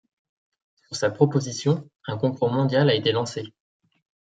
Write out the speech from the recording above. Sur sa proposition, un concours mondial a été lancé.